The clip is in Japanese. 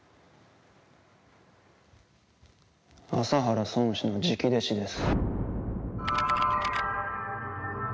麻原尊師の直弟子です。